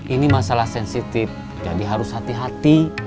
ini masalah sensitif jadi harus hati hati